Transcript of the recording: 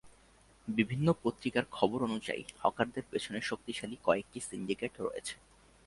বিভিন্ন পত্রিকার খবর অনুযায়ী, হকারদের পেছনে শক্তিশালী কয়েকটি সিন্ডিকেট রয়েছে।